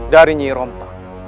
dari nyi rompang